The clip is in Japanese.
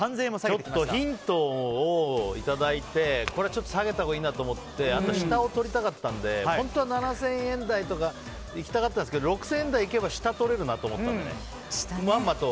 ちょっと、ヒントをいただいて、これはちょっと下げたほうがいいなと思ってあと下を取りたかったので本当は７０００円台とかいきたかったんですけど６０００円台いけば下を取れるなと思ったのでまんまと